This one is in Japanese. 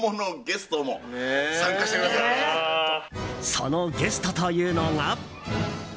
そのゲストというのが。